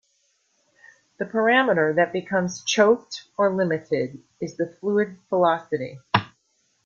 The parameter that becomes "choked" or "limited" is the fluid velocity.